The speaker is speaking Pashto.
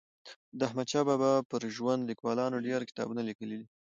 د احمدشاه بابا پر ژوند لیکوالانو ډېر کتابونه لیکلي دي.